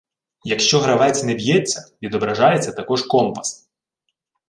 Якщо гравець не б'ється, відображається також компас.